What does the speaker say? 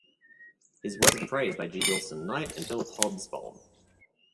His work has been praised by G. Wilson Knight and Philip Hobsbaum.